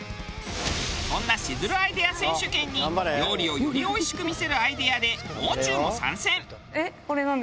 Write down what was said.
そんなシズルアイデア選手権に料理をよりおいしく見せるアイデアでもう中も参戦！